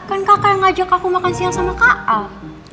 kan kakak yang ngajak aku makan siang sama kl